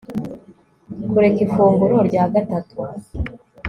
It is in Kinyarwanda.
Kureka ifunguro rya gatatu